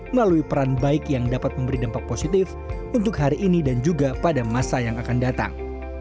melalui peran baik yang dapat memberi dampak positif untuk hari ini dan juga pada masa yang akan datang